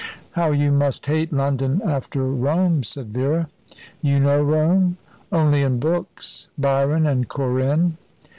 "How you must hate London after Rome," said Vera. "You know Rome?" "Only in books Byron and Corinne."